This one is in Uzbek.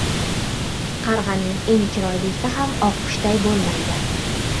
• Qarg‘aning eng chiroylisi ham oqqushday bo‘lmaydi.